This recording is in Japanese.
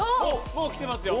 もうきてますよ！